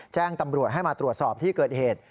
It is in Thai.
แจ้งตำรวจให้มาตรวจสอบที่เกิดเหตุ